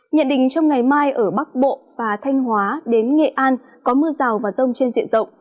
nhận định trong ngày mai ở bắc bộ và thanh hóa đến nghệ an có mưa rào và rông trên diện rộng